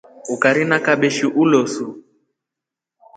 Ukari na kabeshi ulosu.